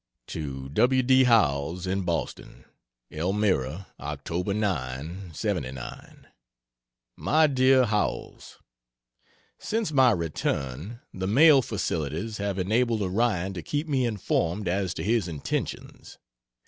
To W. D. Howells, in Boston: ELMIRA, Oct. 9 '79. MY DEAR HOWELLS, Since my return, the mail facilities have enabled Orion to keep me informed as to his intentions.